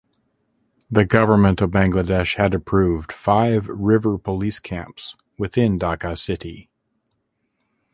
The government of Bangladesh had approved five River police camps within Dhaka city.